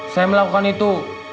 saya melakukan itu